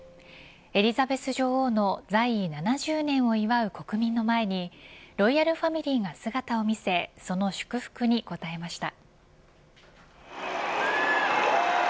エリザベス女王の在位７０年を祝う国民の前にロイヤルファミリーが姿を見せその祝福に応えました。